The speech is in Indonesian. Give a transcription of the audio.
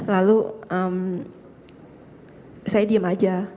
lalu saya diam aja